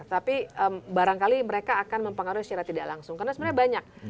tapi barangkali mereka akan mempengaruhi secara tidak langsung karena sebenarnya banyak